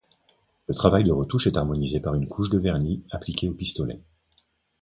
Le travail de retouche est harmonisé par une couche de vernis appliquée au pistolet.